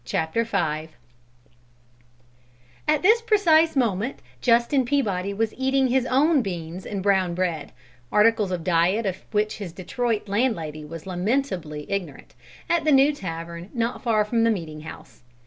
CHAPTER V At this precise moment Justin Peabody was eating his own beans and brown bread (articles of diet of which his Detroit landlady was lamentably ignorant) at the new tavern, not far from the meeting house.